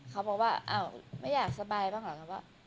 เขาบอกว่าไม่อยากสบายบ้างหรอก